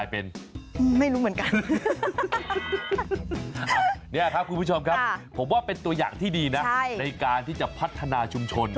ผมว่าเป็นตัวอย่างที่ดีนะในการที่จะพัฒนาชุมชน